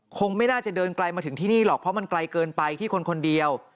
คงไม่น่าจะเดินไกลมาถึงที่นี่หรอกเพราะมันไกลเกินไปที่คนคนเดียว